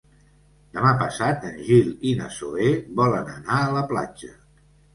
Demà passat en Gil i na Zoè volen anar a la platja.